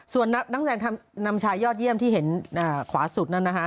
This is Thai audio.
ส่วนนักแสดงนำชายยอดเยี่ยมที่เห็นขวาสุดนั้นนะฮะ